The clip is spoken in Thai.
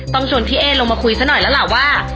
ชวนพี่เอ๊ลงมาคุยซะหน่อยแล้วล่ะว่า